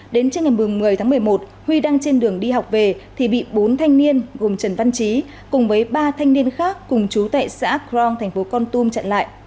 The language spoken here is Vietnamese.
đến trước ngày một mươi tháng một mươi một huy đang trên đường đi học về thì bị bốn thanh niên gồm trần văn trí cùng với ba thanh niên khác cùng chú tệ xã crong thành phố con tum chặn lại